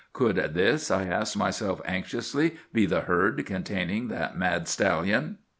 Could this, I asked myself anxiously, be the herd containing that mad stallion?